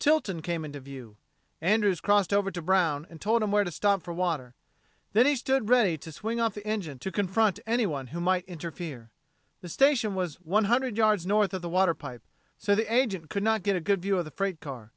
Tilton came into view. Andrews crossed over to Brown and told him where to stop for water; then he stood ready to swing off the engine to confront anyone who might interfere. The station was one hundred yards north of the water pipe, so the agent could not get a good view of the freight car.